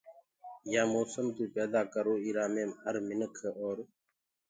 يآ موسم تو پيدآ ڪروئي ايرآ مي هر مِنک اور